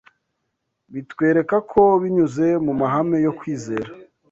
Bitwereka ko binyuze mu mahame yo kwizera